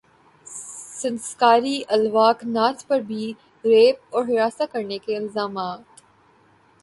سنسکاری الوک ناتھ پر بھی ریپ اور ہراساں کرنے کا الزام